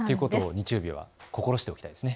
日曜日は心しておきたいですね。